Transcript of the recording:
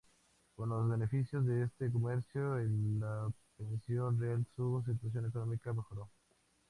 Con los beneficios de este comercio y la pensión real su situación económica mejoró.